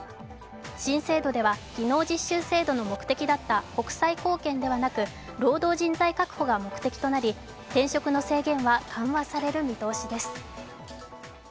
新制度では技能実習制度の目的だった国際貢献ではなく、労働人材確保が目的となり、転職の制限は緩和される見通しです。